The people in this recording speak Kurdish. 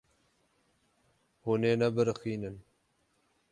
Hûn ê nebiriqînin.